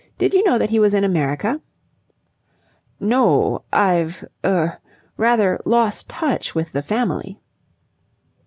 Did you know that he was in America?" "No, I've er rather lost touch with the Family."